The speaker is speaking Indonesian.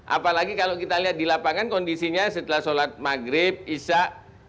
apalagi kalau kita lihat di lapangan kondisinya setelah sholat maghrib isya